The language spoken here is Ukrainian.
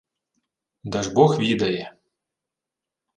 — Дажбог відає...